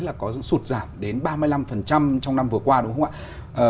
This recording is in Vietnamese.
là có sụt giảm đến ba mươi năm trong năm vừa qua đúng không ạ